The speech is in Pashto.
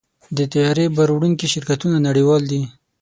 د طیارې بار وړونکي شرکتونه نړیوال دي.